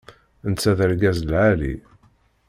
Netta d argaz lɛali.